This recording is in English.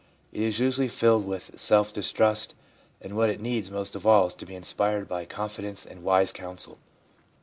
It is usually filled with self distrust, and what it needs most of all is to be inspired by con fidence and wise counsel.